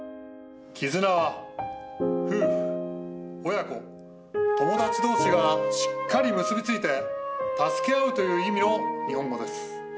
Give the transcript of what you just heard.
「絆」は夫婦親子友達同士がしっかり結び付いて助け合うという意味の日本語です。